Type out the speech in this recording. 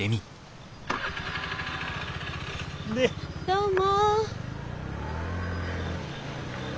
どうも。